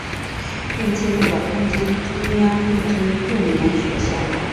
并进入了东京中央陆军幼年学校。